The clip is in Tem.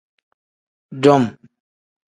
Dum.